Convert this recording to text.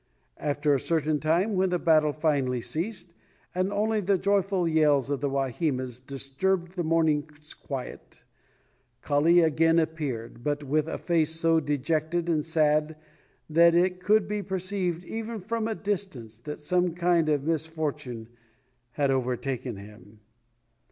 After a certain time, when the battle finally ceased and only the joyful yells of the Wahimas disturbed the morning's quiet, Kali again appeared, but with a face so dejected and sad that it could be perceived even from a distance that some kind of misfortune had overtaken him.